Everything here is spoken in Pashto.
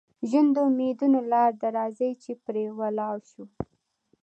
ژوند د امیدونو لاره ده، راځئ چې پرې ولاړ شو.